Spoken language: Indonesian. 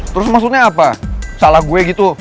terus maksudnya apa salah gue gitu